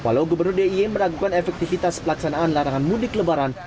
walau gubernur d i e meragukan efektivitas pelaksanaan larangan mudik lebaran